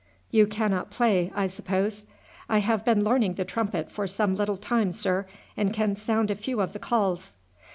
"You cannot play, I suppose?" "I have been learning the trumpet for some little time, sir, and can sound a few of the calls."